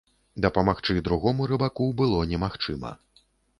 Дапамагчы другому рыбаку было немагчыма.